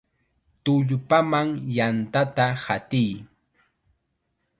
¡Tullpaman yantata hatiy!